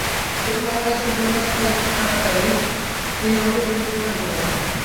প্রথমে এমন একজন প্রেমাস্পদ থাকা চাই, যিনি আমাদের প্রেমের প্রতিদান দিতে পারেন।